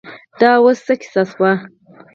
دا اوس څه کیسه شوه.